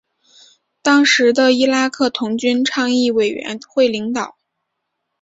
当时的伊拉克童军倡议委员会领导。